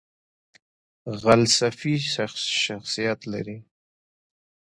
غلسفي شخصیت لري .